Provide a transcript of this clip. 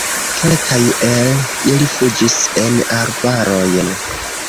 Kelkaj el ili fuĝis en arbarojn.